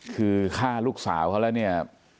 คือฆ่าลูกสาวเขาแล้วเนี่ย